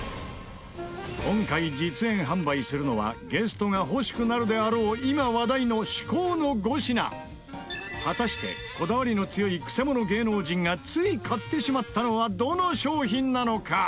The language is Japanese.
今回、実演販売するのはゲストが欲しくなるであろう今話題の至高の５品果たしてこだわりの強い、くせ者芸能人がつい買ってしまったのはどの商品なのか？